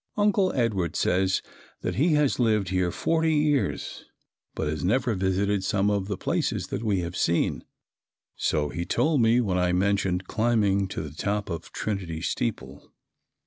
Uncle Edward says that he has lived here forty years but has never visited some of the places that we have seen, so he told me when I mentioned climbing to the top of Trinity steeple.